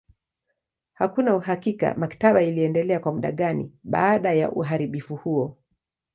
Hakuna uhakika maktaba iliendelea kwa muda gani baada ya uharibifu huo.